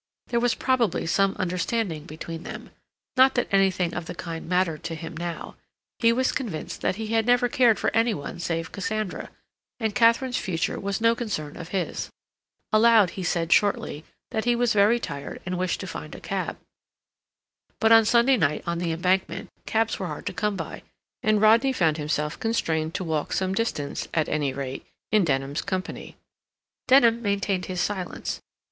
There was probably some understanding between them—not that anything of the kind mattered to him now. He was convinced that he had never cared for any one save Cassandra, and Katharine's future was no concern of his. Aloud, he said, shortly, that he was very tired and wished to find a cab. But on Sunday night, on the Embankment, cabs were hard to come by, and Rodney found himself constrained to walk some distance, at any rate, in Denham's company. Denham maintained his silence.